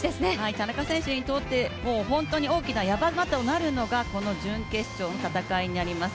田中選手にとって、本当に大きな山場となるのがこの準決勝の戦いになります。